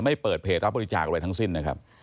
เปิดเพจรับบริจาคอะไรทั้งสิ้นนะครับ